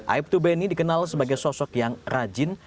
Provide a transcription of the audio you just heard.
aibtu beni dikenal sebagai sosok yang rajin